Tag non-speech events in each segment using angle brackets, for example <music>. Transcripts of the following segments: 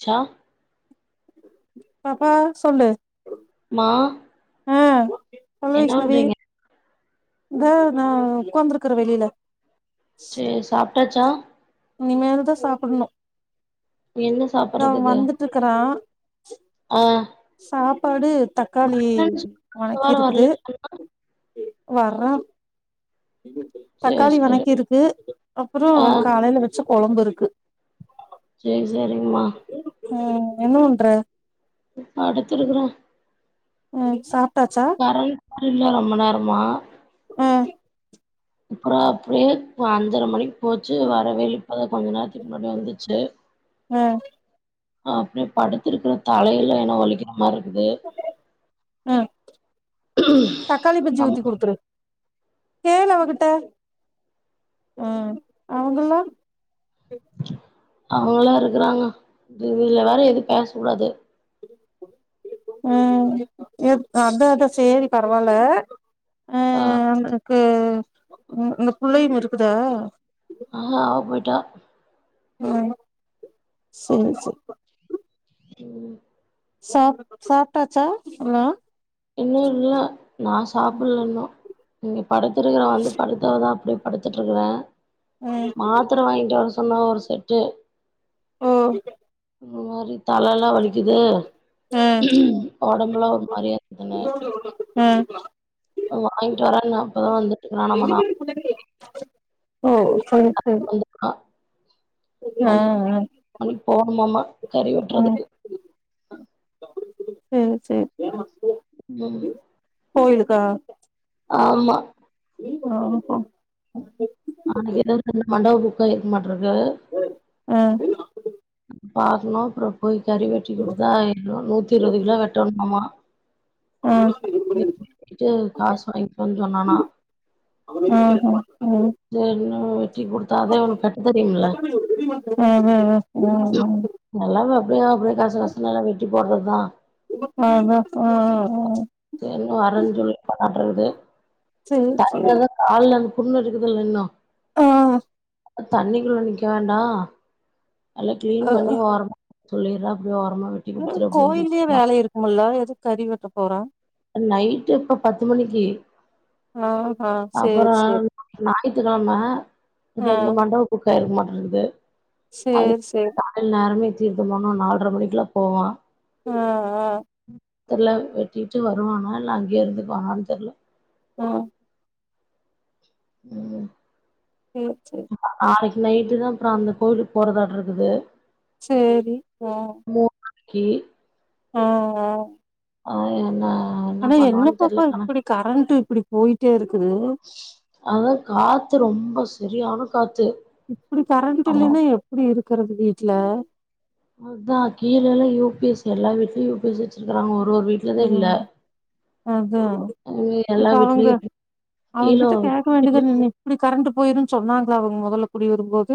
ஷா பாப்பா சொல்லு மா ஆ சொல்லு என்ன வைஷ்ணவி பண்றீங்க ந்த நா உக்காந்திரக்க வெளில சரி சாப்ட்டாச்சா இனிமேல்தான் சாப்புணும் என்ன தோ சாப்பறதுக்கு வந்துட்டு இருக்கறான் ஆ சாப்பாடு தக்காளி வரலன்னு சொன்னா, இந்த வணக்கி வாரோ வரல இருக்குது வர்றா சேரி தக்காளி சேரி வணக்கி இருக்கு அப்புறம் ஆ காலையில வச்ச கொழம்பு இருக்கு செரி செரி செரிங்மா ம் என்ன பண்ற படுத்து இருக்கறே ம் சாப்டாச்சா கரண்ட் இல்ல ரொம்ப நேரமா ஆ அப்புறம் அப்டியே அஞ்சர மணிக்கு போச்சு வரவே இல்ல இப்பத கொஞ்ச நேரத்துக்கு முன்னாடி வந்துச்சு ஆ அப்படியே படுத்திருக்கிற தலையல்லாம் ஏனோ வலிக்கிறா மாரி இருக் குது ம் தக்காளி பஜ்ஜி ஊத்தி குடுத்துரு <unintelligible> கேளு அவகிட்ட ம் அவங்கல்லா அவுங்களா இருக்கிறாங்க இதுல வேற எது பேச கூடாது ம் எ அதா அதான் சேரி பரவால்ல ஆ அக்கு உங்க புள்ளையும் இருக்குதா ஆ அவ போயிட்டா ம் செர் செர் ம் சா சாப்டாச்சா இன்னும் இன்னும் இல்ல நா சாப்ட்ல இன்னும் இங்க படுத்துருக்கிற வந்து படுத்தவ தா அப்டி படுத்துட்டுருக்கற ம் மாத்திர வாங்கிட்டு வர சொன்ன ஒரு செட்டு ம் இந்த மாரி தல எல்லாம் வலிக்குது ஒடம்புலாம் ஒரு மாரியா இருக்குதுன்னு அ வாங்கிட்டு வரேனா இப்பதா வந்துட்டுருக்கானாமா நா ஓ சரி சரி அ ஆ ஆ போணுமாமா கறி ம் வெட்றதுக்கு சரி சரி ம் கோயிலுக்கா ஆமா <inaudible> அவனுக்கு <unintelligible> மண்டப புக்காயிருக்கு மாட்றக்கு அ பாக்கணு அப்புறம் போய் கறி வெட்டி குடுத்தா ஆயிரூவா நூத்தி இருவது கிலோ வெட்டணுமாமா ஆ ஆஹா வெட்டிட்டு காசு வாங்கிகோன் சொன்னானா ம் ஹும் ம் செரினு வெட்டி குடுத்தா தா இவளுக்கு கட்ட தெரியும்ல ம் ம் ம் ம் நல்லாவே அப்படியோ அப்படிய கச கசனு எல்லா வெட்டி போடுறதுதா அஹ அ தெரியு வரனு சொல்லிட்டுருக்கானது சரி சரி தரத கால்ல அந்த புண்ணு இருக்குதுல்ல இன்னு அ தண்ணி குள்ள நிக்க வேண்டா நல்லா ஆ கிளீன் பண்ணி வரணு சொல்லிடுற அப்டி ஓரமா விட் உங்களுக்கு கோயில்லயே வேலை இருக்குமல எதுக்கு கறி வெட்ட போறா நைட்டு் இப்ப பத்து மணிக்கு ஆஹா அப்புற சேரி சேரி ஞாயித்துக்கெழமை ஆ ரெண்டு மண்டப புக்கா ஆயிட்டு இருக்குமாட்டு இருக்குது சேரி சேரி நேரமே தீர்த்த போணு நால்ர மணிக்குல போவா அ தெருல வெட்டிட்டு வருவானா இல்ல அங்கயே இருந்துக்குவானனு தெரில ஆ ம் ம் சேரி நாளைக்கு நைட்டு தா அப்பற அந்த கோயிலுக்கு போறதாட்டு இருக்குது சேரி ம் மூன்றைக்கி ம் ம் ஆயிரந்தா ஆனா என்ன பாப்பா இப்டி கரண்டு இப்டி போயிட்டே இருக்குது அதா காத்து ரொம்ப சரியானா காத்து இப்டி கரண்ட் ஆ இல்லைனா எப்டி இருக்கிறது வீட்ல அதா கீழல்லா யூபிஎஸ் எல்லா வீட்லயு யூபிஎஸ் வச்சிருக்கறாங்க ஒரு ஒரு வீட்ல தா இல்ல ம் அதா அது எல்லா இப்ப அவங்க வீட்லயு இருக்கு அவங்க கீழ கிட்ட கேக்க வேண்டிய தான நீ இப்டி கரண்ட் போயிருன் அவங்க சொன்னாங்களா அவங்க மொதல குடி வரும்போது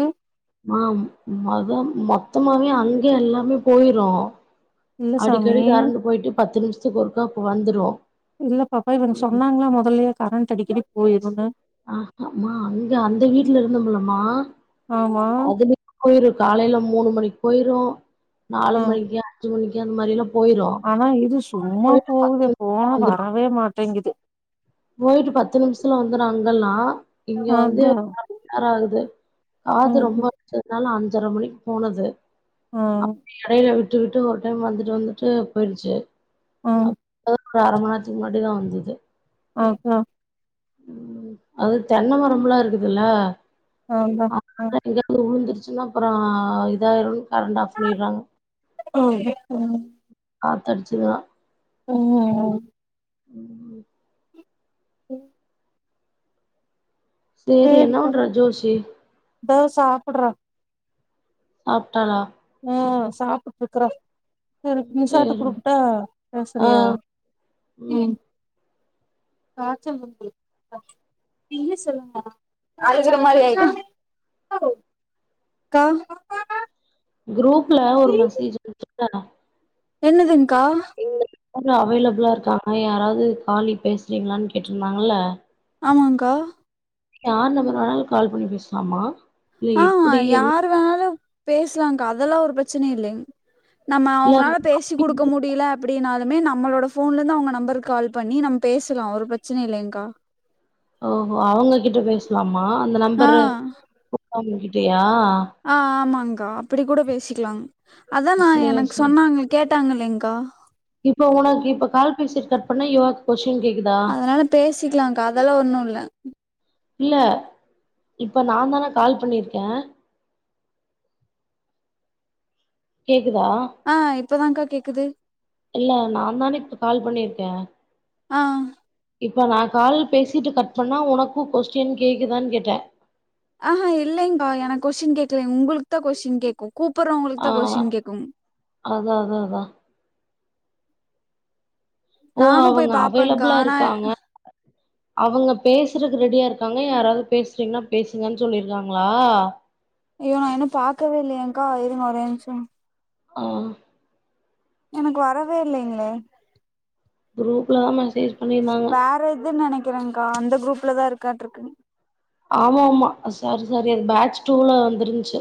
மா மதம் மொத்தமாவே அங்கயே எல்லாமே போயிரும் இல்ல சாமி அடிக்கடி கரண்டு போயிட்டு பத்து நிமிஷத்துக்கு ஒருக்கா அப்ப வந்துரும் இல்ல பாப்பா இவங்க சொன்னாங்களா முதல்லயே கரண்ட் அடிக்கடி போயிருன்னு ஆஹ மா அங்க அந்த வீட்ல இருந்தோம்லமா ஆமா அதுல போயிரும் காலையில மூணு மணிக்கு போயிரும் நாலு ஆ மணிக்கு அஞ்சு மணிக்கு அந்த மாரி எல்லாம் ஆனா இது சும்மா பத்து போவுது நிமிஷத்துல போனா வந்துரு வரவே மாட்டேங்குது போயிட்டு பத்து நிமிஷத்துல வந்துரும் அங்கல்லாம் இங்க வந்து அதா கால் மணி நேரமாகுது. காது ரொம்ப அது அடச்சதுனால அஞ்சரை மணிக்கு போனது ம் இடையில விட்டு விட்டு ஒரு டைம் வந்துட்டு வந்துட்டு போயிருச்சு ஆ அதுகப்ப அரைமணி நேரத்துக்கு முன்னாடி தான் வந்தது அப்டியா அது தென்ன மரமெல்லாம் இருக்குதுல்ல நான் தான் எங்காவது உழுந்துடுச்சுன்னா அப்பறா இதாயிடும்னு கரண்ட் ஆஃப் பண்ணடுறாங்க ஓ ஹெ காத்து அடிச்சுதுனா ம் உம் ஒ சேரி என்ன சேரிப்பா பண்ற ஜோஷி இதோ சாப்புடுறா சாப்டாளா ம் சாப்பிட்டு இருக்குறா செரி நிஷாட சேரி குடுக்கட்டா ஆ பேசுறியா ம் காச்சல் இருக்குது நீயே சொல்லு அழுகற மாரி ஆய்ட அக்கா குரூப்ல ஒரு மெசேஜ் குடுத்துடனே என்னதுங்கா எங்க அவைலபிளா இருக்காங்க யாராவது காலி பேசுறீங்களனு கேட்டிருந்தாங்கல்ல ஆமாங்கா யார் நம்பர் வேனாலும் கால் பண்ணி பேசாமா இல்ல எப்டி என் வேணாலும் பேசலாம்கா அதெல்லாம் ஒரு பெரச்சனே இல்லை நம்ம இல்ல அவங்களால பேசி குடு க்க முடியல அப்டினாலுமே நம்மளோட ஃபோன்ல இருந்து அவங்க நம்பருக்கு கால் பண்ணி நம்ம பேசலா ஒரு பிரச்சனே இல்லையங்கா ஓஹோ அவங்க கிட்ட பேசலாமா அந்த நம்பரு ஆ அவங்க கிட்டியா ஆ ஆமாங்கா அப்டி கூட பேசிக்கலா அதான் நான் சேரி எனக்கு சேரி சொன்னாங்க கேட்டாங்க இல்லைங்க்கா இப்ப உனக்கு இப்ப கால் பேசி கட் பண்ண யவா கொஸ்டின் கே அதனால பேசிக்கலான் அக்கா அதெல்லாம் ஒண்ணு இல்ல இல்ல இப்போ நான் தானே கால் பண்ணியிருக்கேன் கேக்குதா ஆ இப்ப தான்கா கேக்குது இல்ல நான் தானே இப்போ கால் பண்ணியிருக்கேன் ஆ இப்போ நான் கால பேசிட்டு கட் பண்ணா உனக்கும் கொஸ்டின் கேகுதான்னு கேட்டேன் ஆஹா இல்லைங்கா எனக் கொஸ்டின் கேட்கல உங்களுக் தா கொஸ்டின் கேக்கு கூப்பறவங்களுக் ஆ தா கொஸ்டின் கேக்கு அதா அதா அதா ஓ நானும் போய் அவங்க பாப்பேங்கா அவைலபிளா ஆனா இருக்காங்க அவங்க பேசுறக் ரெடியா இருக்காங்க யாராவது பேசுறீங்கன்னா பேசுங்கன் சொல்லியிருக்காங்களா ஐயோ நா இன்னு பாக்கவே இல்லையேங்கா இருங்க ஒரே நிம்ஷோ ஆ எனக்கு வரவே இல்லைங்ளே குரூப்ல தா மெசேஜ் பண்ணிருந்தாங்க வேற இதுன் நெனைக்கிறேங்கா அந்த குரூப்லதா இருக்காட்டுருக்குங் ஆமா ஆமா சாரி சாரி அது பேட்ச் டூல வந்துருன்ச்சு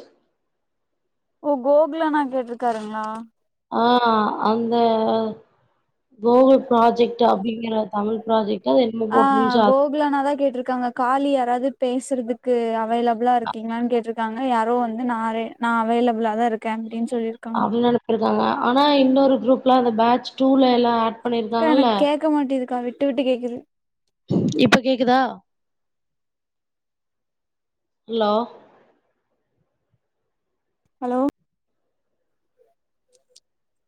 ஓ கோகுலண்ணா கேட்ருக்காருங்ளா ஆ அந்த கோகுல் ப்ராஜெக்ட் அப்டிங்ற தமிழ் ப்ராஜெக்ட் அது என்னமோ போட்டுருன்ச்சு இல்லன்னா தா கேட்ருக்காங்க காலி யாராவது பேசுறதுக்கு அவைலபிளா இருக்கீங்கன் கேட்ருக் காங்க யாரோ வந்து நா ரெ நா அவைலபிளா தா இருக்கே அப்டின் சொல்லிருக் அவங்க அனுப்பிருக்காங்க ஆனா இன்னொரு குரூப்ல அந்த பேட்ச் டூல எல்லா கா பண்ணிருக்காங்கல்ல எனக் கேட்க மாட்டிக்குதுக்கா விட்டு விட்டு கேக்குது இப்ப கேக்குதா அலோ ஹலோ உ